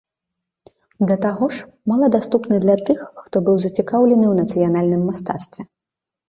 Да таго ж, мала даступны для тых, хто быў зацікаўлены ў нацыянальным мастацтве.